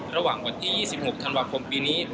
ระหว่างวันที่๒๖ธันวาคมปีนี้